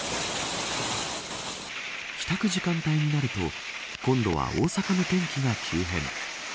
帰宅時間帯になると今度は大阪の天気が急変。